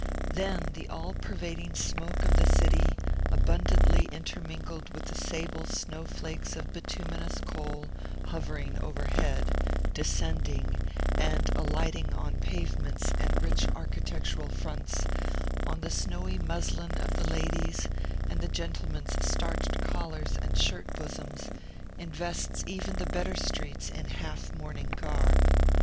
Then the all pervading smoke of the city, abundantly intermingled with the sable snow flakes of bituminous coal, hovering overhead, descending, and alighting on pavements and rich architectural fronts, on the snowy muslin of the ladies, and the gentlemen's starched collars and shirt bosoms, invests even the better streets in a half mourning garb.